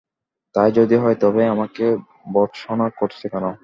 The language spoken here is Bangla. তাই যদি হয় তবে আমাকে ভর্ৎসনা করছ কেন?